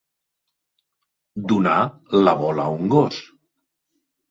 Donar la bola a un gos.